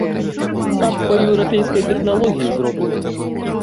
Сад па еўрапейскай тэхналогіі зроблены.